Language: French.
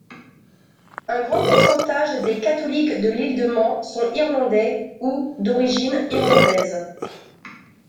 Un grand pourcentage des catholiques de l'Île de Man sont irlandais ou d'origines irlandaises.